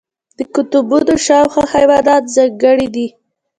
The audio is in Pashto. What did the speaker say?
د قطبونو شاوخوا حیوانات ځانګړي دي.